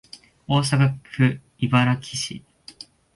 大阪府茨木市